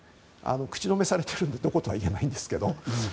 口止めされているのでどこでということは言えないんですけど。